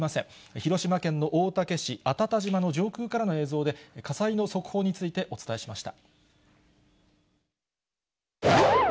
広島県の大竹市あたた島の上空からの映像で、火災の速報についてお伝えしました。